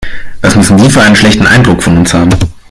Was müssen die für einen schlechten Eindruck von uns haben.